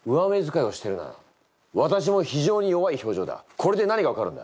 これで何が分かるんだ？